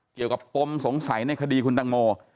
เกี่ยวกับปมสงสัยในคดีคุณแตงโม